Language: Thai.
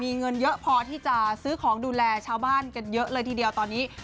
มีเงินเยอะพอที่จะซื้อของดูแลชาวบ้านกันเยอะเลยทีเดียวตอนนี้